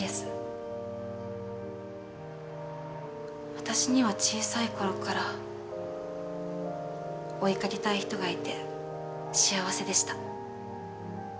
私には小さい頃から追いかけたい人がいて幸せでした。